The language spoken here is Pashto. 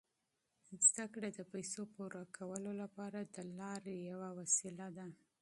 زده کړه د پیسو پوره کولو لپاره د لارې یوه وسیله ده.